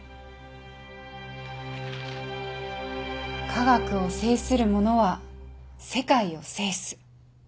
「科学を制する者は世界を制す」